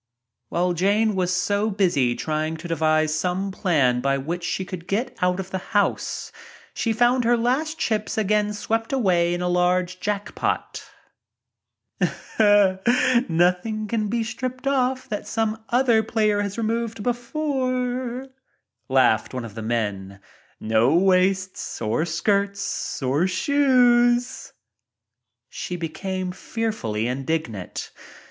While Jane was so busy trying to devise some plan by which she could get out of the house, she found her last chips again swept away in a large jack pot. a ■■ ii . Nothing can be stripped off that some other player has removed before," laughed one of the men. "Now be a good sport and pay your bets. No waists or skirts or shoes." She became fearfully indignant.